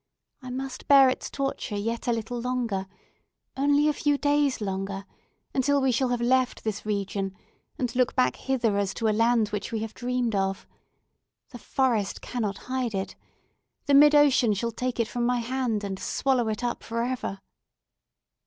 I must bear its torture yet a little longer—only a few days longer—until we shall have left this region, and look back hither as to a land which we have dreamed of. The forest cannot hide it! The mid ocean shall take it from my hand, and swallow it up for ever!"